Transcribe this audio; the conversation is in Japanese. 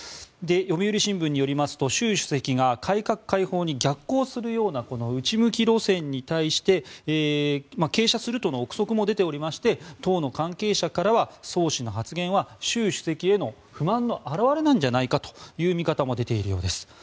読売新聞によりますと習主席が改革開放に逆行するような内向き路線に対して傾斜するとの臆測も出ていまして党の関係者からソウ氏の発言は習主席への不満の表れなんじゃないかという見方も出ているようです。